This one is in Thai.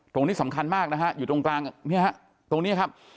ตรงนี้สำคัญมากนะฮะอยู่ตรงกลางเนี่ยฮะตรงนี้ครับ